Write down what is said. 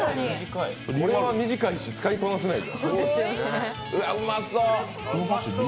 これは短いし、使いこなせない。